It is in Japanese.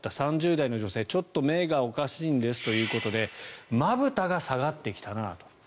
３０代の女性ちょっと目がおかしいんですということでまぶたが下がってきたなあと。